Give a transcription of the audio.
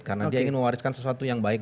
karena dia ingin mewariskan sesuatu yang baik